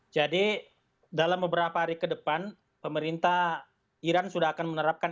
jadi dalam beberapa hari ke depan pemerintah iran sudah akan menerapkan